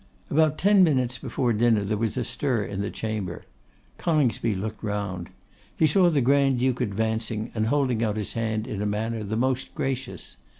About ten minutes before dinner there was a stir in the chamber. Coningsby looked round. He saw the Grand duke advancing, and holding out his hand in a manner the most gracious.